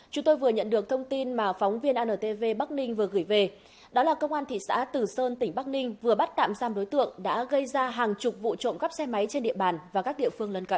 chúng tôi vừa nhận được thông tin mà phóng viên antv bắc ninh vừa gửi về đó là công an thị xã tử sơn tỉnh bắc ninh vừa bắt tạm giam đối tượng đã gây ra hàng chục vụ trộm cắp xe máy trên địa bàn và các địa phương lân cận